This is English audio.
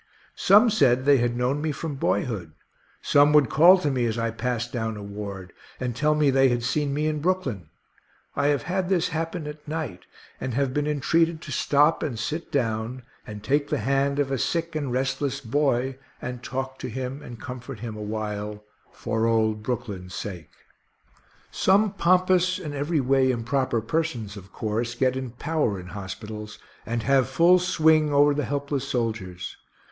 Some said they had known me from boyhood. Some would call to me as I passed down a ward, and tell me they had seen me in Brooklyn. I have had this happen at night, and have been entreated to stop and sit down and take the hand of a sick and restless boy, and talk to him and comfort him awhile, for old Brooklyn's sake. Some pompous and every way improper persons, of course, get in power in hospitals, and have full swing over the helpless soldiers.